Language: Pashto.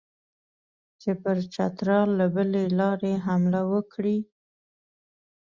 چې پر چترال له بلې لارې حمله وکړي.